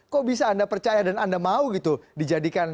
kok bisa anda percaya dan anda mau gitu dijadikan